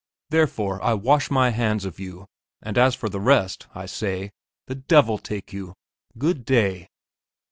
Therefore I wash my hands of you, and as for the rest, I say, 'The devil take you!' Good day."